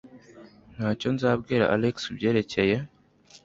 Ntacyo nzabwira Alex kubyerekeye.